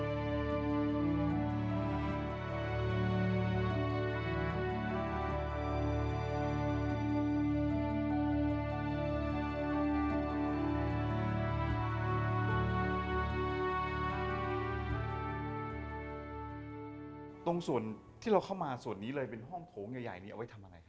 ตรงส่วนที่เราเข้ามาส่วนนี้เลยเป็นห้องโถงใหญ่นี้เอาไว้ทำอะไรครับ